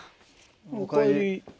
お帰り。